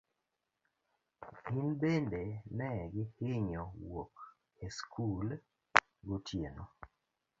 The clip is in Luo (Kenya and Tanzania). Gin bende ne gihinyo wuok e skul gotieno.